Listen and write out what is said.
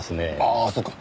ああそっか。